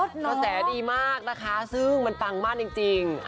กระแสดีมากนะคะซึ่งมันปังมากจริง